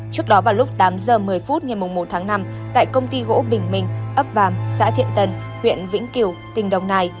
trước đó vào lúc tám giờ một mươi phút ngày một tháng năm tại công ty gỗ bình minh ấp vàm xã thiện tân huyện vĩnh kiều tỉnh đồng nai